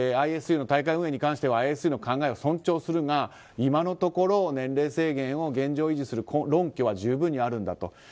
ＩＳＵの大会運営に関してはＩＳＵの考えを尊重するが今のところ年齢制限を現状維持する論拠は十分にあるんだと。